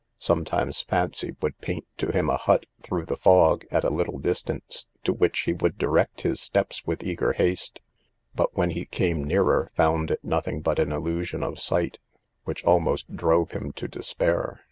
Sometimes fancy would paint to him a hut through the fog at a little distance, to which he would direct his steps with eager haste, but when he came nearer, found it nothing but an illusion of sight, which almost drove him to despair.